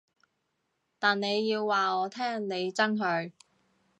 但你要話我聽你憎佢